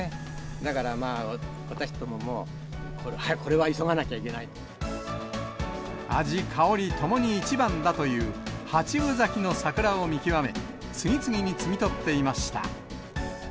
だから、私どもも、味、香りともに一番だという８分咲きの桜を見極め、次々に摘み取っていました。